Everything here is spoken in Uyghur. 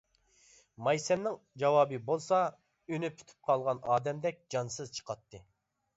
مايسەمنىڭ جاۋابى بولسا ئۈنى پۈتۈپ قالغان ئادەمدەك جانسىز چىقاتتى.